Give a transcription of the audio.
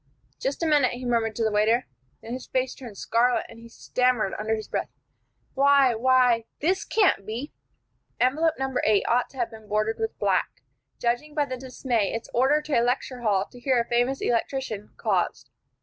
"Just a minute," he murmured to the waiter. Then his face turned scarlet, and he stammered, under his breath, "Why why this can't be " Envelope No. 8 ought to have been bordered with black, judging by the dismay its order to a lecture hall to hear a famous electrician, caused.